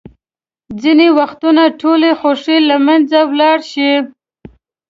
ځینې وختونه ټولې خوښۍ له منځه ولاړې شي.